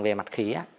về mặt khí ạ